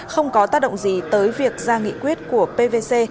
không có tác động gì tới việc ra nghị quyết của pvc